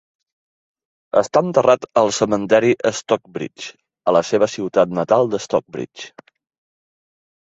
Està enterrat al cementeri Stockbridge, a la seva ciutat natal de Stockbridge.